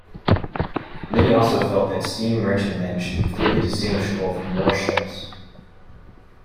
Many also felt that steam merchantmen should be clearly distinguishable from warships.